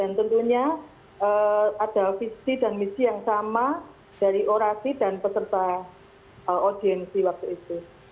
dan tentunya ada visi dan misi yang sama dari orasi dan peserta audiensi waktu itu